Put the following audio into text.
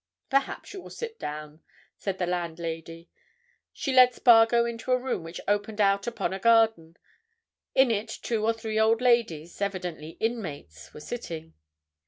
"Perhaps you will sit down," said the landlady. She led Spargo into a room which opened out upon a garden; in it two or three old ladies, evidently inmates, were sitting.